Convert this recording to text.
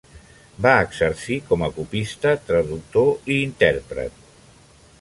Va exercir com a copista, traductor i intèrpret.